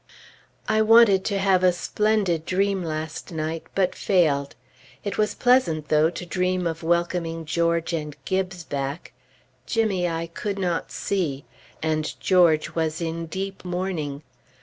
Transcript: I wanted to have a splendid dream last night, but failed. It was pleasant, though, to dream of welcoming George and Gibbes back. Jimmy I could not see; and George was in deep mourning.